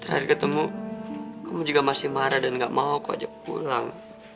hari ketemu kamu juga masih marah dan gak mau kok ajak pulang